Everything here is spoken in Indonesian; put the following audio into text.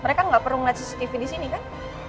mereka gak perlu ngeliat cctv disini kan